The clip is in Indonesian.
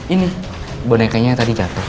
ini bonekanya tadi jatuh